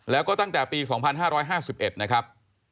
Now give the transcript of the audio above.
แล้วก็ตั้งแต่ปี๒๕๕๑นะครับ